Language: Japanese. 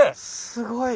すごい。